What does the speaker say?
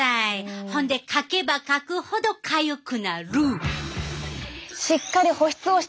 ほんでかけばかくほどかゆくなる！